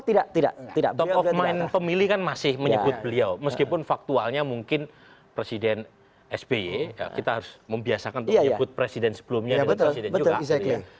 tidak top of mind pemilih kan masih menyebut beliau meskipun faktualnya mungkin presiden sby kita harus membiasakan untuk menyebut presiden sebelumnya dengan presiden jokowi